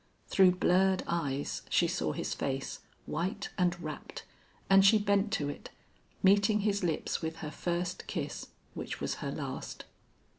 Through blurred eyes she saw his face, white and rapt, and she bent to it, meeting his lips with her first kiss which was her last.